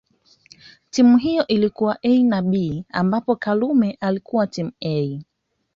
Timu hiyo ilikuwa A na B ambapo Karume alikuwa timu A